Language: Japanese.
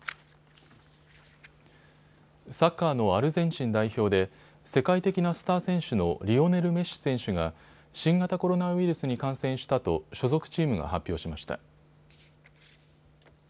サッカーのアルゼンチン代表で世界的なスター選手のリオネル・メッシ選手が新型コロナウイルスに感染したと所属チームが発表しました。